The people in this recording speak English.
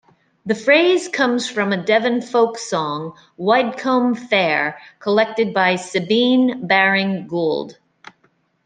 The phrase comes from a Devon folk song "Widecombe Fair", collected by Sabine Baring-Gould.